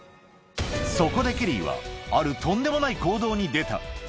そこでケリーは、あるとんでもない行動に出た。